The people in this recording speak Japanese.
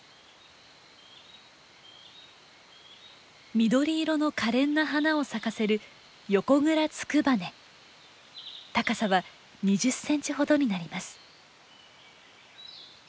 緑色のかれんな花を咲かせる高さは２０センチほどになります。